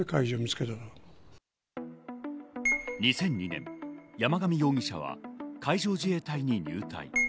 ２００２年、山上容疑者は海上自衛隊に入隊。